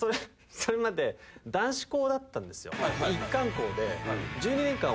それまで男子校だったんですよ。一貫校で。